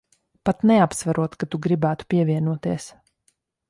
Pat neapsverot, ka tu gribētu pievienoties.